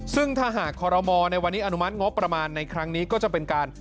ซึ่งทหารคอลมอยงประมาณในครั้งนี้ก็จะเป็นการ